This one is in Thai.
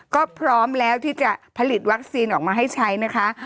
ก็พร้อมแล้วที่จะผลิตวัคซีนออกมาให้ใช้นะคะ